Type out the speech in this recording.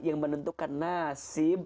yang menentukan nasib